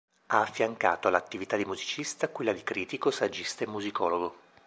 Ha affiancato all'attività di musicista quella di critico, saggista e musicologo.